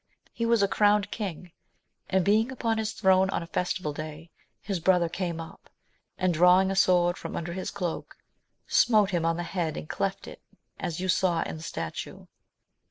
He was a crowned king, and being upon his throne on a festival day his brother came up, and drawing a sword from under his cloak, smote him on the head and cleft it, as you saw in the statue.